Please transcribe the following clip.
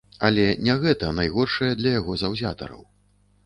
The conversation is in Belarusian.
Але не гэта найгоршае для яго заўзятараў.